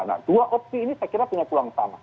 nah dua opsi ini saya kira punya peluang sama